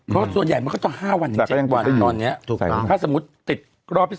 เพราะส่วนใหญ่มันก็ต้อง๕๗วันถ้าสมมติติดรอบที่